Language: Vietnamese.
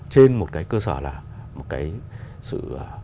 trên một cơ sở là một sự